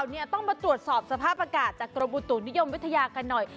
เนี่ยต้องมาตรวจสอบสภาพอากาศจากกรมอุตุนิยมวิทยากันหน่อย